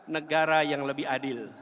negara yang lebih adil